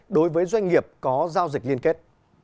đối với doanh nghiệp có giao dịch liên kết